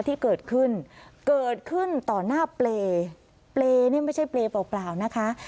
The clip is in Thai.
ที่เกิดขึ้นเกิดขึ้นต่อหน้าเปล่าเเปล้นี้ไม่ใช่เปล่าหรอกนะคะ